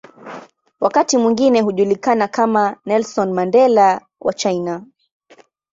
Wakati mwingine hujulikana kama "Nelson Mandela wa China".